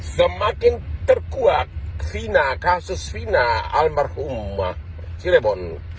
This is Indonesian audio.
semakin terkuat kasus fina almarhum cirebon